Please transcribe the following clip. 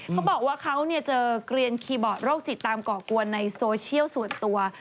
เขาบอกว่าเขาเจอเกลียนคีย์บอร์ดโรคจิตตามก่อกวนในโซเชียลส่วนตัว